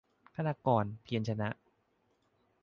คณากร เพียรชนะ